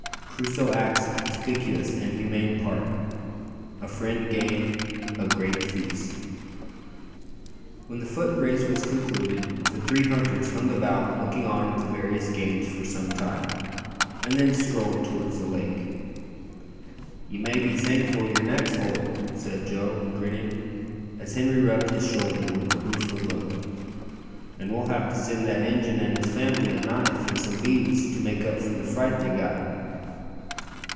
Crusoe acts a conspicuous and humane part A friend gained A great feast. When the foot race was concluded the three hunters hung about looking on at the various games for some time, and then strolled towards the lake. "Ye may be thankful yer neck's whole," said Joe, grinning, as Henri rubbed his shoulder with a rueful look. "An' we'll have to send that Injun and his family a knife and some beads to make up for the fright they got."